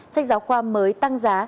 sách giáo khoa mới tăng giá